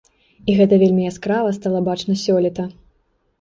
І гэта вельмі яскрава стала бачна сёлета.